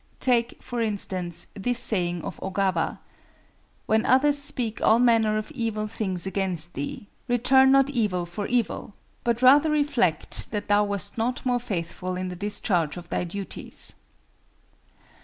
Take, for instance, this saying of Ogawa: "When others speak all manner of evil things against thee, return not evil for evil, but rather reflect that thou wast not more faithful in the discharge of thy duties."